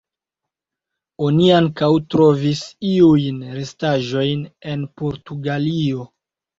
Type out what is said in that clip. Oni ankaŭ trovis iujn restaĵojn en Portugalio.